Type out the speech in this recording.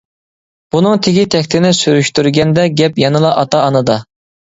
بۇنىڭ تېگى-تەكتىنى سۈرۈشتۈرگەندە گەپ يەنىلا ئاتا-ئانىدا.